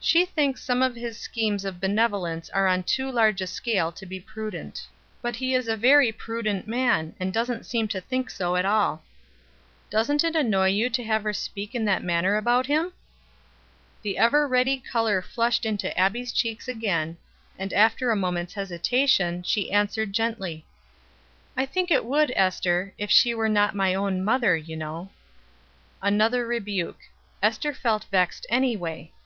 "She thinks some of his schemes of benevolence are on too large a scale to be prudent. But he is a very prudent man, and doesn't seem to think so at all." "Doesn't it annoy you to have her speak in that manner about him?" The ever ready color flushed into Abbie's cheeks again, and, after a moment's hesitation, she answered gently: "I think it would, Ester, if she were not my own mother, you know." Another rebuke. Ester felt vexed anyway.